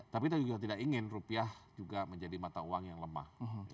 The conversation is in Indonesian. tapi kita juga tidak ingin rupiah juga menjadi mata uang yang lemah